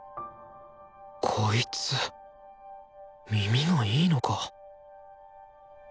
こいつ耳がいいのか？